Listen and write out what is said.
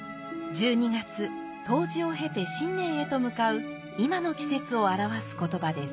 １２月冬至を経て新年へと向かう今の季節を表す言葉です。